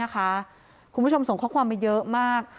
คุณผู้ชมส่งข้อความมาเยอะมาก